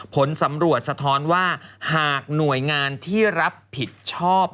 ผลสำรวจสะท้อนว่าหากหน่วยงานที่รับผิดชอบ